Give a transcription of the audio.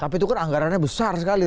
tapi itu kan anggarannya besar sekali